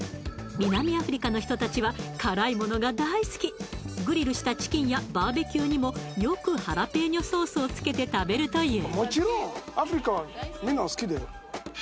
南アフリカの人たちは辛いものが大好きグリルしたチキンやバーベキューにもよくハラペーニョソースをつけて食べるという